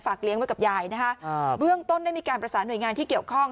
เลี้ยงไว้กับยายนะฮะเบื้องต้นได้มีการประสานหน่วยงานที่เกี่ยวข้อง